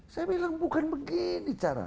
saya bilang bukan begini cara